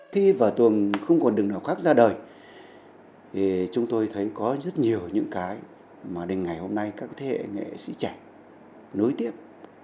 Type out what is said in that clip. khi vở tuồng không còn đường nào khác ra đời thì chúng tôi thấy có rất nhiều những cái mà đến ngày hôm nay các thế hệ nghệ sĩ trẻ nối tiếp